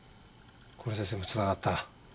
これで全部繋がった。